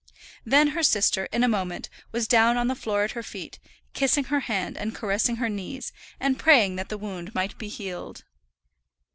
Then her sister, in a moment, was down on the floor at her feet, kissing her hand and caressing her knees, and praying that the wound might be healed.